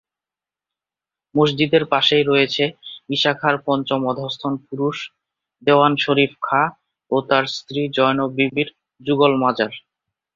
মসজিদের পাশেই রয়েছে ঈশা খাঁ'র পঞ্চম অধস্তন পুরুষ দেওয়ান শরীফ খাঁ ও তার স্ত্রী জয়নব বিবির যুগল মাজার।